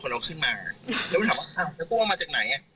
คือตอนนั้นหมากกว่าอะไรอย่างเงี้ย